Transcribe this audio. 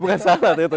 bukan salad itu